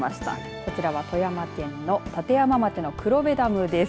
こちらは富山県の立山町の黒部ダムです。